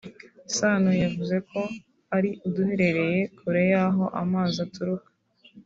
Sano yavuze ko ari uduherereye kure y’aho amazi aturuka